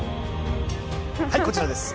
はいこちらです。